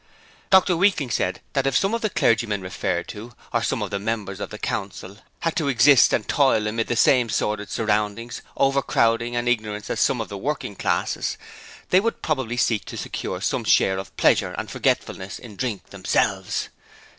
Dr Weakling said that if some of the clergymen referred to or some of the members of the council had to exist and toil amid the same sordid surroundings, overcrowding and ignorance as some of the working classes, they would probably seek to secure some share of pleasure and forgetfulness in drink themselves!